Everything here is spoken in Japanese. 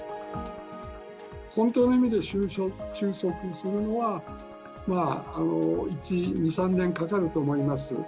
本当の意味で収束するのは、１、２、３年かかると思います。